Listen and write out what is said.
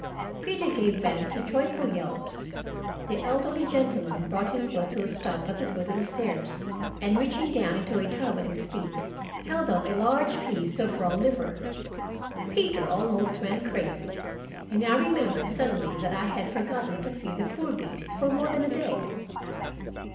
Peter gave vent to joyful yelps. The elderly gentleman brought his boat to a stop at the foot of the stairs, and reaching down into a tub at his feet, held up a large piece of raw liver. Peter almost went crazy, and I remembered suddenly that I had forgotten to feed the poor beast for more than a day.